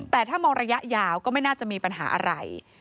แต่ถ้ามองระยะยาวก็ไม่น่าจะมีปัญหาอะไร